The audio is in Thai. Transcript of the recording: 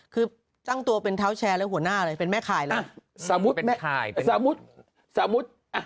คือตั้งตัวเป็นเท้าแชร์หัวหน้าอะไรเป็นแม่ขายล่ะ